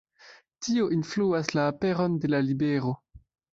Tio influas la aperon de la libro.